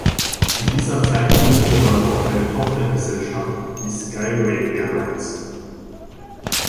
Zu dieser Zeit gründete man auch eine Tochtergesellschaft, die "Skyway Airlines".